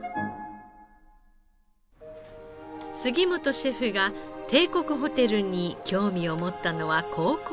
杉本シェフが帝国ホテルに興味を持ったのは高校時代。